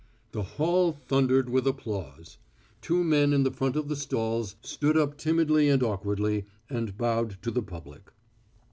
The hall thundered with applause. Two men in the front of the stalls stood up timidly and awkwardly, and bowed to the public.